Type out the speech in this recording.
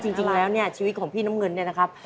จริงแล้วเนี่ยชีวิตของพี่น้ำเงินเนี่ยนะครับ